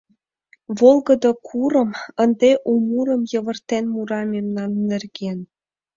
Волгыдо курым Ынде у мурым Йывыртен мура мемнан нерген.